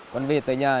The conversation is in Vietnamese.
con về tới nhà